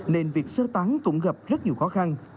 nên việc sơ tán cũng gặp rất nhiều khó khăn